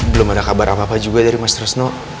belum ada kabar apa apa juga dari mas resno